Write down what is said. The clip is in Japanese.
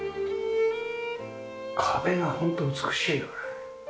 壁がホント美しいよね。